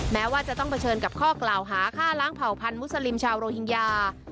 แม้ว่าจะต้องเผชิญกับข้อกล่าวหาฆ่าล้างเผ่าพันธุสลิมชาวโรฮิงญา